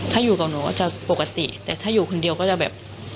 ถ้าอยู่กับหนูก็จะปกติแต่ถ้าอยู่คนเดียวก็จะแบบ